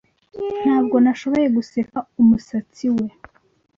Ntabwo nashoboye guseka umusatsi we